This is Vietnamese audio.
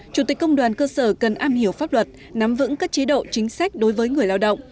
chủ tịch công đoàn cơ sở cần am hiểu pháp luật nắm vững các chế độ chính sách đối với người lao động